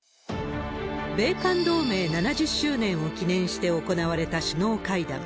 米韓同盟７０周年を記念して行われた首脳会談。